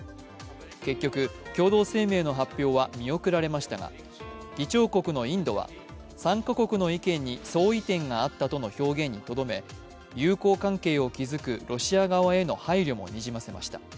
結局、共同明の発表は見送られましたが、議長国のインドは、参加国の意見い相違点があったとの表現にとどめ友好関係を築くロシア側への配慮もにじませました。